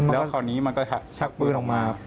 แล้วคราวนี้มันก็ชักปืนออกมา